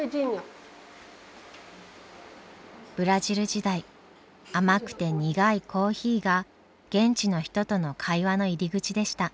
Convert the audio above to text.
ブラジル時代甘くて苦いコーヒーが現地の人との会話の入り口でした。